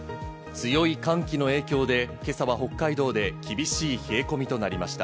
強い寒気の影響で今朝は北海道で厳しい冷え込みとなりました。